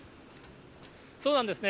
そうなんですね。